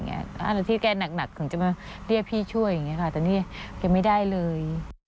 อาณาที่แกหนักถึงจะมาเรียกพี่ช่วยแต่นี่แกไม่ได้เลย